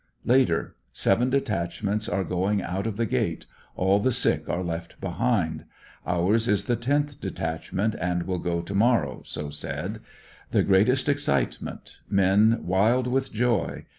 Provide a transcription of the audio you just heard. Later. — Seven detachments are going, out of the gate; all the sick are left behind. Ours is the tenth detachment and will go to morrow so said. The greatest excitement; men wild with joy.